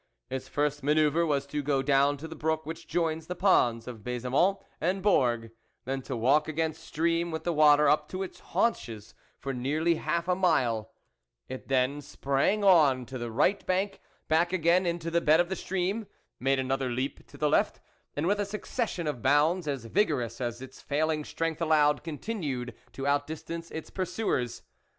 Its first manoeuvre was to go down to the brook which joins the ponds of Baise mont and Bourg, then to walk against stream with the water up to its haunches, for nearly half a mile ; it then sprang on to the right bank, back again into the bed of the stream, made another leap to the left, and with a succession of bounds, as vigorous as its failing strength allowed, continued to out distance its pursuers.